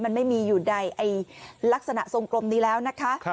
มันไม่มีอยู่ในลักษณะทรงกลมนี้แล้วนะคะ